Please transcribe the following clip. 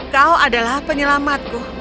kau adalah penyelamatku